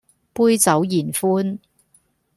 杯酒言歡